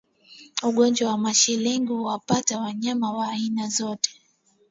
Ugonjwa wa mashilingi huwapata wanyama wa aina zote